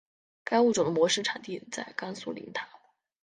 该物种的模式产地在甘肃临潭。